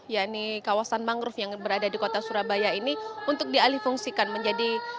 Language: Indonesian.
ya ini kawasan mangrove yang berada di kota surabaya ini untuk dialih fungsikan menjadi